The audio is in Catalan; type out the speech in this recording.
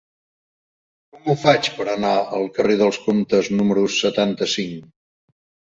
Com ho faig per anar al carrer dels Comtes número setanta-cinc?